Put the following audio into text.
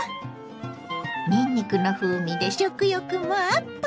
にんにくの風味で食欲もアップ！